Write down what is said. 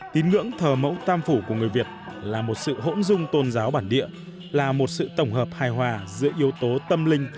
tín ngưỡng thờ mẫu tam phủ của người việt là một sự hỗn dung tôn giáo bản địa là một sự tổng hợp hài hòa giữa yếu tố tâm linh